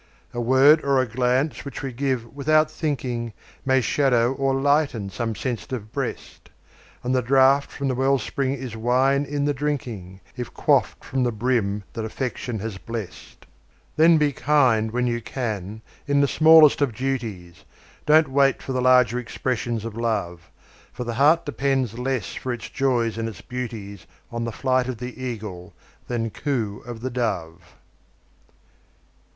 A word or a glance which we give "without thinking", May shadow or lighten some sensitive breast; And the draught from the well spring is wine in the drinking, If quaffed from the brim that Affection has blest. Then be kind when you can in the smallest of duties, Don't wait for the larger expressions of Love; For the heart depends less for its joys and its beauties On the flight of the Eagle than coo of the Dove.